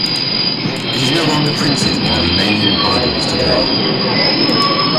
It is no longer printed in the Romanian Bibles today.